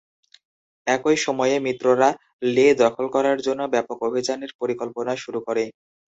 একই সময়ে, মিত্ররা লে দখল করার জন্য ব্যাপক অভিযানের পরিকল্পনা শুরু করে।